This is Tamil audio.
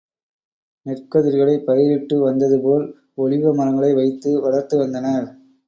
நெற்கதிர்களைப் பயிரிட்டு வந்ததுபோல், ஒலிவ மரங்களை வைத்து வளர்த்து வந்தனர்.